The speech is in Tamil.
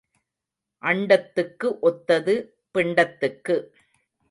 அண்டத்துக்கு ஒத்தது பிண்டத்துக்கு.